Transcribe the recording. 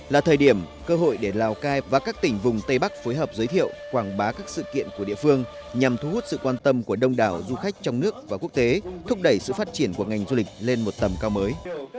là thời điểm cơ hội để lào cai và các tỉnh vùng tây bắc phối hợp giới thiệu quảng bá các sự kiện của địa phương nhằm thu hút sự quan tâm của đông đảo du khách trong nước và quốc tế thúc đẩy sự phát triển của ngành du lịch lên một tầm cao mới